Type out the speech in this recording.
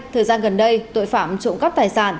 thời gian gần đây tội phạm trộm cắp tài sản